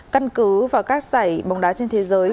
căn cứ vào các giải bóng đá trên thế giới